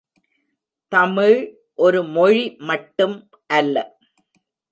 தமிழ் ஒரு மொழி மட்டும் அல்ல.